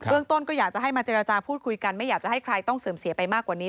เรื่องต้นก็อยากจะให้มาเจรจาพูดคุยกันไม่อยากจะให้ใครต้องเสื่อมเสียไปมากกว่านี้